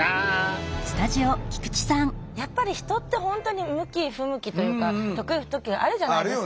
やっぱり人って本当に向き不向きというか得意不得意があるじゃないですか。